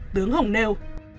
tướng hồng nêu